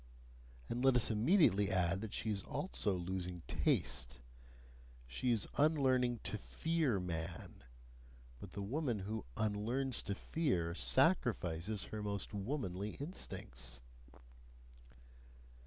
And let us immediately add that she is also losing taste. She is unlearning to FEAR man: but the woman who "unlearns to fear" sacrifices her most womanly instincts.